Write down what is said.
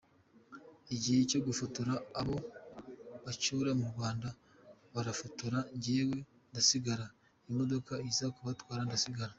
Igihe cyo gufotora abo bacyura mu Rwanda, barabafotora njyewe ndasigara, imodoka iza kubatwara ndasigar.